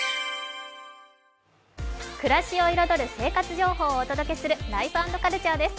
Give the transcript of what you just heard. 暮らしを彩る生活情報をお届けする「ライフ＆カルチャー」です。